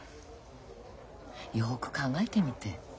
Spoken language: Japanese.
よく考えてみて。